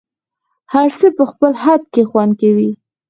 هر څه په خپل خد کي خوند کوي